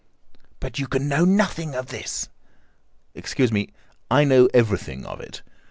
"But you can know nothing of this?" "Excuse me, I know everything of it.